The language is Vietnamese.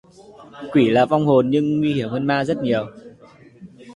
quỷ là vong hồn nhưng nguy hiểm hơn ma rất nhiều